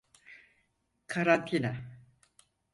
Karantina.